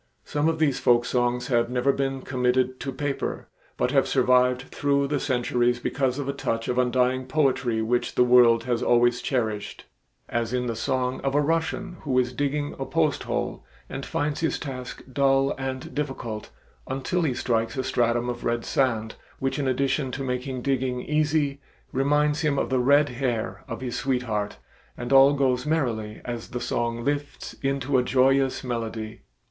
Some of these folk songs have never been committed to paper, but have survived through the centuries because of a touch of undying poetry which the world has always cherished; as in the song of a Russian who is digging a post hole and finds his task dull and difficult until he strikes a stratum of red sand, which in addition to making digging easy, reminds him of the red hair of his sweetheart, and all goes merrily as the song lifts into a joyous melody.